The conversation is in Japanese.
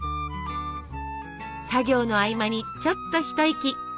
作業の合間にちょっと一息。